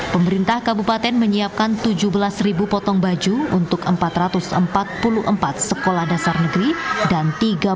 pemerintah kabupaten menyiapkan tujuh belas potong baju untuk empat ratus empat puluh empat sekolah dasar negeri dan tiga puluh